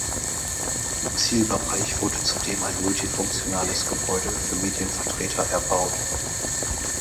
Im Zielbereich wurde zudem ein multifunktionales Gebäude für Medienvertreter erbaut.